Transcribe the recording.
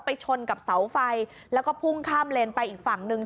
ชนกับเสาไฟแล้วก็พุ่งข้ามเลนไปอีกฝั่งหนึ่ง